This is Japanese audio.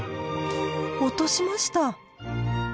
落としました。